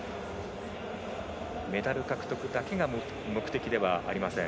メダル獲得だけが目的ではありません。